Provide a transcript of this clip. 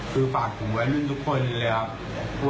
คือฝากถึงวัยรุ่นทุกคนเลยครับ